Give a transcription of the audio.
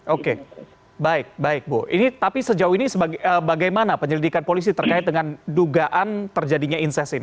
oke baik tapi sejauh ini bagaimana penyelidikan polisi terkait dengan dugaan terjadinya inses ini